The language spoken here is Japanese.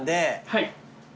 はい。